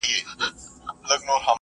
لا په منځ كي به زگېروى كله شپېلكى سو .